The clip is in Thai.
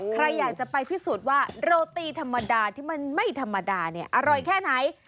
ใครอยากจะไปพิสูจน์ว่าโรตีธรรมดาที่มันไม่ธรรมดาเนี่ยอร่อยแค่ไหน